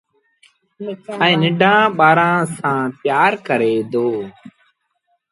ائيٚݩ ننڍآݩ ٻآرآݩ سآݩ پيٚآر ڪري دو